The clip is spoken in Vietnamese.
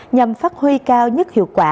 nhằm phát huy cao nhất hiệu quả